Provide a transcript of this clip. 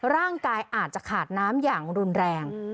ร่างกายอาจจะขาดน้ำอย่างรุนแรง